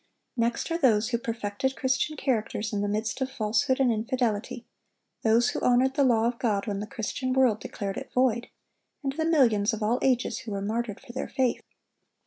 Next are those who perfected Christian characters in the midst of falsehood and infidelity, those who honored the law of God when the Christian world declared it void, and the millions, of all ages, who were martyred for their faith.